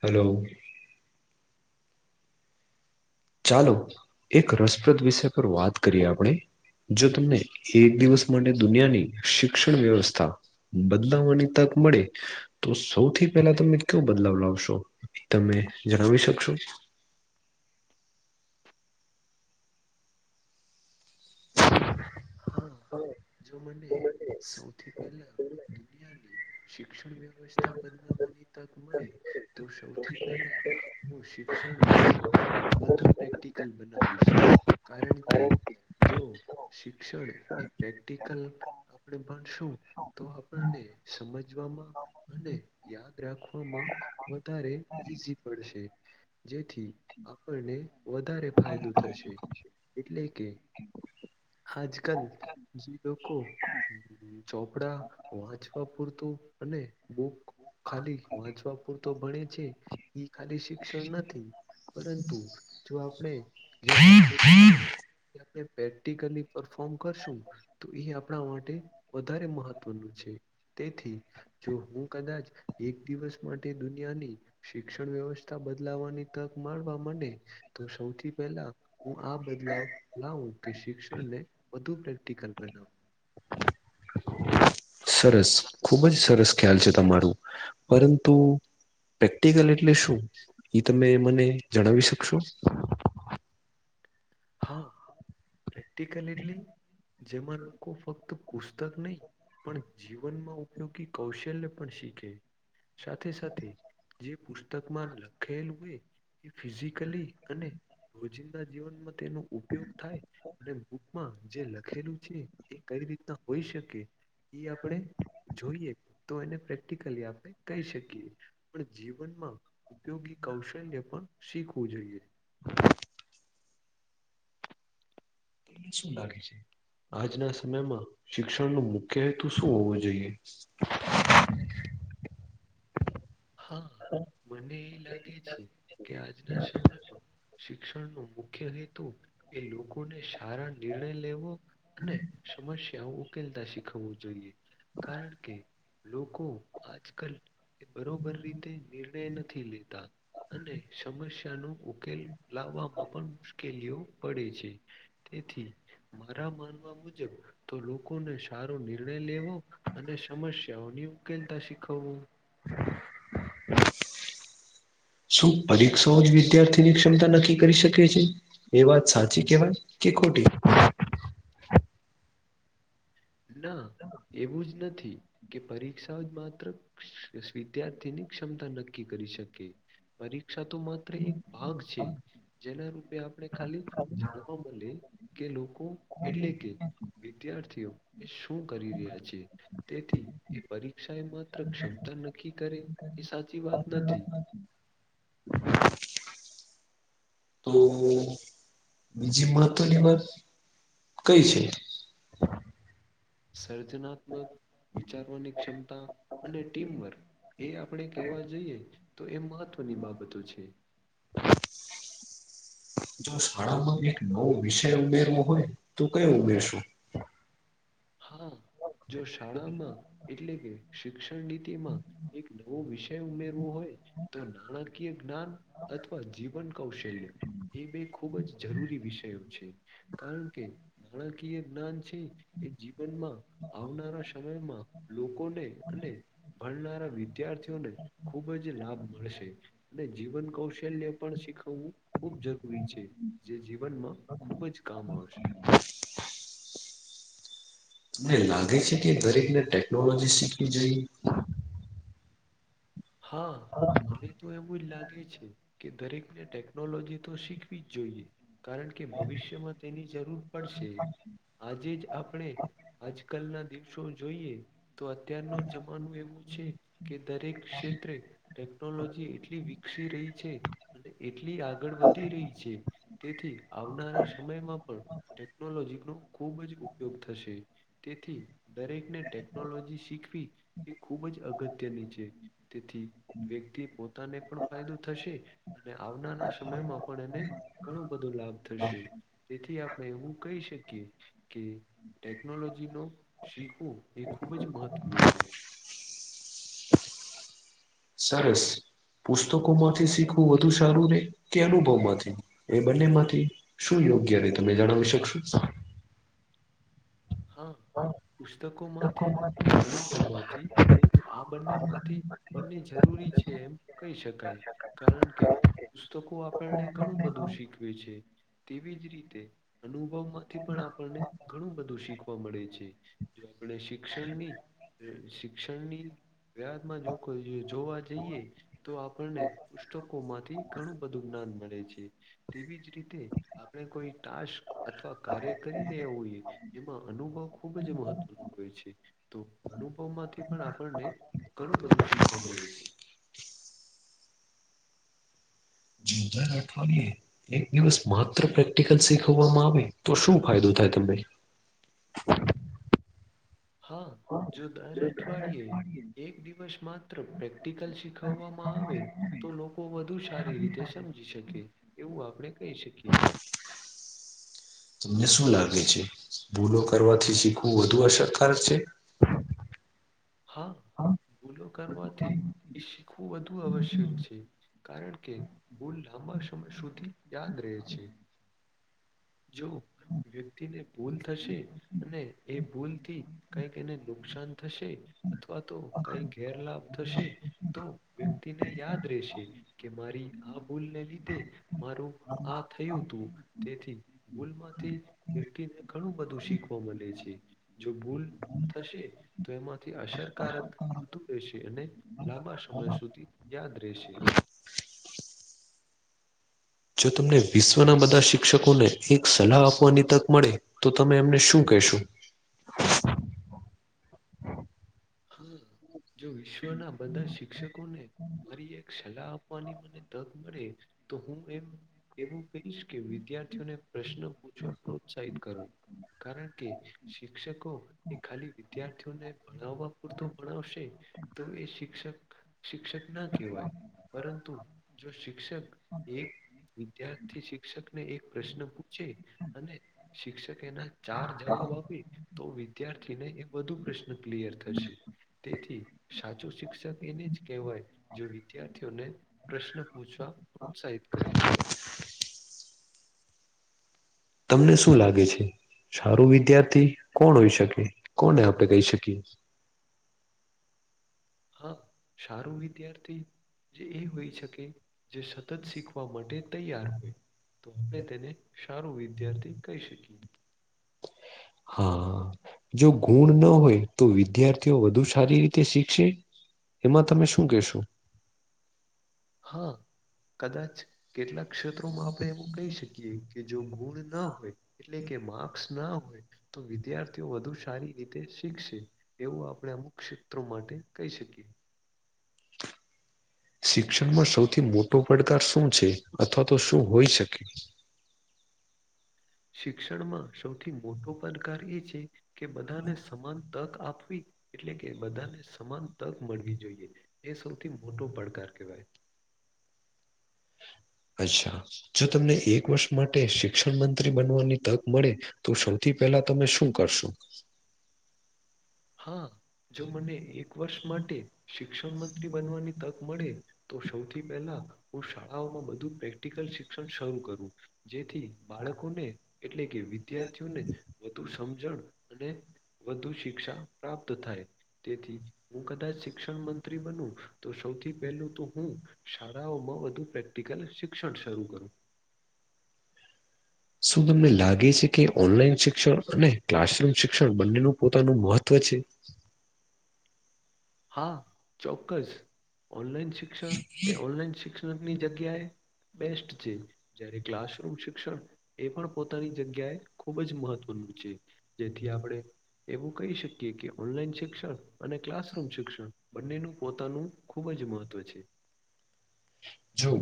Hello. હા ચાલો એક રસપ્રદ વિષય પર વાત કરીએ આપણે. જો તમને એક દિવસ માટે દુનિયાની શિક્ષણ વ્યવસ્થા બદલાવાની તક મળે. તો સૌથી પહેલા તમે કયો બદલાવ લાવશો તમે જણાવી શકશો. હા જો મને સૌથી પહેલા. દુનિયાની શિક્ષણ વ્ય વ્યસ્થા બદલાવાની તક મળે તો સૌથી પહેલા. હું શિક્ષણ ને વધુ પ્રેક્ટ કલ બનાવીશ કારણ કે જો. શિક્ષણ એ પ્રેક્ટિકલ. આપણે ભાણશું તો આપણને સમજવામાં. અને યાદ રાખવામાં વધારે ઈઝી પડશે. જેથી આપણને વધારે ફાયદો થશે એટલે કે આજ કલ જીલોકો. ચોપડા વાંચવા પૂરતું અને બુક. ખાલી વાંચવા પૂરતો ભણે છે, ઇ ખાલી શિક્ષણ નથી. પરંતુ જો આપણે જે લખી આપણે પ્રેક્ટિકલી. પરફોમ કરશું તો એ આપણા માટે વધારે મહત્વનું છે તેથી જો હું કદાચ એક દિવસ માટે દુનિયાની શિક્ષણ વ્યવસ્થા બદલાવાની તક માળવા મડે તો સૌથી પહેલા હું આ બદલાવ લાવું. શિક્ષને વધુ પ્રેક્ટિકલ બનાવુ. સરસ ખુબ જ સરસ ખ્યાલ છે, તમારું પરંતુ પ્રેક્ટિકલ એટલે શું? એ તમે મને જણાવી શકશો. હા પ્રેક્ટિકલ એટલી જેમાં લોકો ફક્ત પુસ્તક નહી. પણ જીવનમાં ઉપયોગી કૌશલ્ય પણ શીખે સાથે સાથે. જે પુસ્તકમાં લખેલું હોય એ ફિઝિકલી અને રોજિંદા જીવનમાં તેનો ઉપયોગ થાય. અને બુકમાં જે લખેલું છે, એ કઈ રીતના હોઈ શકે એ આપણે. જોઈએ તો એને પ્રેક્ટિકલી આપણે કહી શકીએ પણ જીવનમાં. ઉપયોગી કૌશલ્ય પણ શીખવું જોઈએ. શું લાગે છે આજના સમયમાં શિક્ષણ ન મુખ્ય હેતુ શું હોવો જોઈએ. [inaudible] હા મને એ લાગે છે કે આજના સમયમાં. શિક્ષણનો મુખ્ય હેતુ એ લોકોને સારા નિર્ણય લેવો. અને સમસ્યા ઉકેલતા શીખવવું જોઈએ. કારણ કે લોકો આજ કલ બરોબર રીતે નિર્ણય નથી લેતા. અને સમસ્યાનો ઉકેલ લાવવામાં પણ મુશ્કેલીઓ પડે છે. તેથી મારા માનવા મુજબ તો લોકોને સારો નિર્ણય લેવો અને સમસ્યાઓની ઉકેલતા શીખવવો. શું પરીક્ષાઓ જ વિદ્યાર્થીની ક્ષમતા નક્કી કરી શકે છે. એ વાત સાચી કવાય કે ખોટી. ના એવું જ નથી. કે પરીક્ષાઓ જ માત્ર વિદ્યાર્થીની ક્ષમતા નક્કી કરી શકે. પરીક્ષા તો માત્ર એક ભાગ છે. જેના રૂપે આપણે ખાલી જાણવા મળે કે લોકો એટલે કે વિદ્યાર્થીઓ એ શું કરી રહ્યા છે. તેથી એ પરીક્ષા એ માત્ર ક્ષમતા નક્કી કરે એ સાચી વાત નથી. તો હમ્મ. બીજી મહત્વની વાત કઈ છે. સર્જનાત્મક વિચારવાની ક્ષમતા અને ટીમવર્ક. એ આપણે કેવા જઈએ તો એ મહત્વની બાબતો છે. જો શાળામાં એક નવો વિષય ઉમેરવો હોય તો કયો ઉમેરશું. હા જો શાળામાં એટલે કે શિક્ષણ નીતિમાં એક નવો વિષય ઉમેરવો હોય તો નાણાકીય જ્ઞાન અથવા જીવન કૌશલ્ય એ બે ખૂબ જ જરૂરી વિષયો છે કારણ કે નાણાકીય જ્ઞાન છે એ જીવનમાં આવનારા સમયમાં લોકોને અને ભણનારા વિદ્યાર્થીઓને ખૂબ જ લાભ મળશે. અને જીવન કૌશલ્ય પણ શીખવવું ખુબ જરૂ છે જે જીવનમાં ખુબ જ કામ આવશે. તમને લાગે છે કે દરેક ને ટેકનોલોજી શીખવી જોઈએ હા મને તો એવું જ લાગે છે કે દરેકને ટેકનોલોજી તો શીખવી જ જોઈએ. કારણ કે ભવિષ્યમાં તેની જરૂર પડશે આજે જ આપણે આજ કલ ના દિવસો જોઈએ તો અત્યારનું જમાનું એવું છે કે દરેક ક્ષેત્રે ટેકનોલોજી એટલી વિકસી રહી છે અને એટલી આગળ વધી રહી છે. તેથી આવનારા સમયમાં પણ ટેકનોલોજીનો ખૂબ જ ઉપયોગ થશે તેથી દરેકને ટેકનોલોજી શીખવી એ ખૂબ જ અગત્યની છે તેથી વ્યક્તિ પોતાને પણ ફાયદો થશે અને આવનારા સમયમાં પણ એને ઘણું બધું લાભ થશે. તેથી આપણે એવું કહી શકીએ કે ટેક્નોલોજીનો શીખવું એ ખુબ જ મહત્વનું છે. સરસ પુસ્તકો પુસ્તકોમાં માંથી શીખવું વધુ સારું રે કે અનુભવ અનુભવમાંથી એ બંને માંથી શું યોગ્ય રે તમે જણાવી શકશો. હા પુસ્તકો માંથી કે અનુભવમાંથી તો આ બંને માંથી બંને જરૂરી છે એમ કહી શકાય કારણ કે પુસ્તકો આપણને ઘણું બધું શીખવે છે. તેવી જ રીતે અનુભવ માંથી પણ આપણને ઘણું બધું શીખવા મળે છે. જો આપણે શિક્ષણની શિક્ષણની વ્યાજમાં જો કોઈ જોવા જઈએ તો આપણને પુસ્તકો માંથી ઘણું બધું જ્ઞાન મળે છે તેવી જ રીતે આપણે કોઈ ટાશક અથવા કાર્ય કરી રહ્યા હોઈએ એમાં અનુભવ ખૂબ જ મહત્વનો હોય છે તો અનુભવમાંથી પણ આપણને ઘણું બધું શીખવા મળે છે જો દર અઠવાડિયે [inaudible] [unintelligible] માત્ર પ્રેક્ટિકલ શીખવવામાં આવે તો શું ફાયદો થાય તમને હા જો દર અઠવાડિયે એક દિવસ માત્ર પ્રેક્ટિકલ શીખવવામાં આવે તો લોકો વધુ સારી રીતે સમજી શકે એવું આપણે કહી શકીએ તમને શું લાગે છે ભૂલો કરવાથી શીખવું વધુ અસરકારક છે હા ભૂલો કરવાથી એ શીખવું વધુ અવશ્યક છે કારણ કે ભૂલ લાંબા સમય સુધી યાદ રહે છે જો વ્યક્તિને ભૂલ થશે અને એ ભૂલ થી કઈક એને નુકસાન થશે અથવા તો કઈ ગેરલાભ થશે તો વ્યક્તિને યાદ રહેશે કે મારી આ ભૂલને લીધે મારું આ થયું હતું તેથી ભૂલમાંથી વ્યક્તિને ઘણું બધું શીખવા મળે છે જો ભૂલ થશે તો એમાંથી અસરકારક વધું રહેશે અને લાંબા સમય સુધી યાદ રહેશે જો તમને વિશ્વના બધા શિક્ષકોને એક સલાહ આપવાની તક મળે તો તમે એમને શું કહેશો હા જો વિશ્વના બધા શિક્ષકોને મારી એક સલાહ આપવાની મને તક મળે તો હું એમ એવું કહીશ કે વિદ્યાર્થીઓને પ્રશ્ન પૂછવા પ્રોત્સાહિત કરો કારણ કે શિક્ષકો એ ખાલી વિદ્યાર્થીઓને ભણાવવા પૂરતો ભણાવશે તો એ શિક્ષક શિક્ષક ના કહેવાય પરંતુ જો શિક્ષક એક વિદ્યાર્થી શિક્ષકને એક પ્રશ્ન પૂછે અને શિક્ષકે એના ચાર જવાબ આપી તો વિદ્યાર્થીને એ બધુ પ્રશ્ન ક્લિયર થશે તેથી સાચું શિક્ષક એને જ કહેવાય જો વિદ્યાર્થીઓને પ્રશ્ન પૂછવા પ્રોત્સાહિત કરી તમને શું લાગે છે સારું લાગે? વિદ્યાર્થી કોણ હોઈ શકે કોને કોણ? આપણે કહી શકીએ હા સારું વિદ્યાર્થી જે એ હોય શકે જે સતત શીખવા માટે તૈયાર હોય તો આપણે તેને સારું વિદ્યાર્થી કહી શકીએ હા જો ગુણ ના હોય તો વિદ્યાર્થીઓ વધુ સારી રીતે શીખશે એમાં તમે શું કહેશો હા કદાચ કેટલાક ક્ષેત્રોમાં આપણે એમ કહી શકીએ કે જો ગુણ ન હોય એટલે કે માર્ક્સ ના હોય તો વિદ્યાર્થીઓ વધુ સારી રીતે શીખશે એવું આપણે અમુક ક્ષેત્રો માટે કહી શકીએ શિક્ષણમાં સૌથી મોટો પડકાર શું છે અથવા તો શું હોય શકે શિક્ષણમાં સૌથી મોટો પડકાર એ છે કે બધાને સમાન તક આપવી એટલે કે બધાને સમાન તક મળવી જોઈએ એ સૌથી મોટો પડકાર કહેવાય અચ્છા જો તમને એક વર્ષ માટે શિક્ષણ મંત્રી બનવાની તક મળે તો સૌથી પહેલા તમે શું કરશો હા જો મને એક વર્ષ માટે શિક્ષણ મંત્રી બનવાની તક મળે તો સૌથી પહેલા હું શાળાઓમાં બધું પ્રેક્ટિકલ શિક્ષણ શરૂ કરું જેથી બાળકોને એટલે કે વિદ્યાર્થીઓને વધુ સમજણ અને વધુ શિક્ષા પ્રાપ્ત થાય તેથી હું કદાચ શિક્ષણ મંત્રી બન તો સૌથી પહેલું તો હું શાળાઓમાં વધુ પ્રેક્ટિકલ શિક્ષણ શરૂ કરું. શું તમને લાગે છે કે ઓનલાઈન શિક્ષણ અને ક્લાસરૂમ શિક્ષણ બંનેનું પોતાનું મહત્વ છે? હા ચોક્કસ ઓનલાઈન શિક્ષણ એ ઓનલાઈન શિક્ષણની જગ્યાએ બેસ્ટ છે જયારે ક્લાસરૂમ શિક્ષણ એ પણ પોતાની જગ્યાએ ખૂબ જ મહત્વનું છે જેથી આપણે એવું કહી શકીએ કે ઓનલાઈન શિક્ષણ અને ક્લાસ શ શિક્ષણ બંનેનું પોતાનું ખુબ જ મહત્વ છે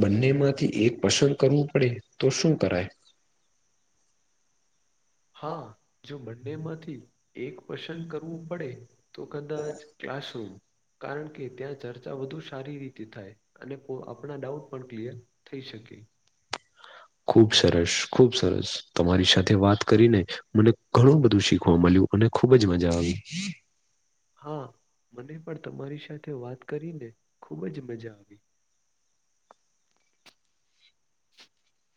બંને માંથી એક પસંદ કરવું પડે તો શું કરાય હા જો બંનેમાંથી એક પસંદ કરવું પડે તો કદાચ ક્લાસરૂમ કારણ કે ત્યાં ચર્ચા વધુ સારી રીતે થાય અને આપણા ડાઉટ પણ ક્લિયર થઈ શકે ખુબ સરસ ખુબ સરસ તમારી સાથે વાત કરીને મને ઘણું બધું શીખવા મળ્યું અને ખુબ જ મજા આવી હા મને પણ તમારી સાથે વાત કરીને ખૂબ જ મજા આવી [unintelligible] [inaudible]